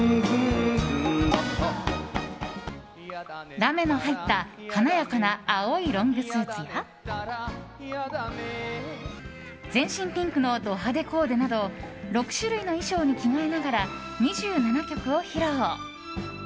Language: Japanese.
ラメの入った華やかな青いロングスーツや全身ピンクのド派手コーデなど６種類の衣装に着替えながら２７曲を披露。